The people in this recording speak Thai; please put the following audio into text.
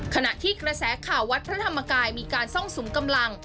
ขณะที่กระแสข่าววัดพระธรรมกายมีการซ่องสุมกำลัง